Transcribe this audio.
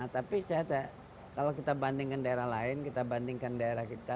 tapi kalau kita bandingkan daerah lain kita bandingkan daerah kita